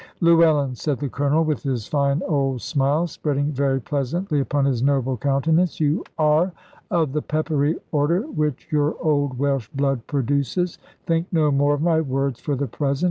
"Llewellyn," said the Colonel, with his fine old smile spreading very pleasantly upon his noble countenance; "you are of the peppery order which your old Welsh blood produces. Think no more of my words for the present.